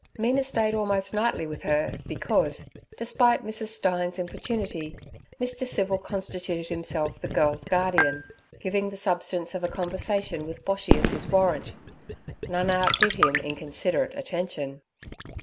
Mina stayed almost nightly with her, because, despite Mrs. Stein's importunity, Mr. Civil constituted himself the girl's guardian, giving the substance of a conversation with Boshy as his warrant. None outdid him in considerate attention.